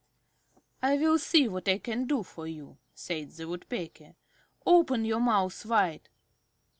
"I will see what I can do for you," said the Woodpecker. "Open your mouth wide."